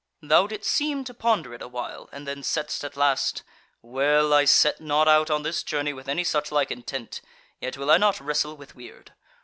"Thou didst seem to ponder it a while, and then saidst at last: 'Well, I set not out on this journey with any such like intent; yet will I not wrestle with weird.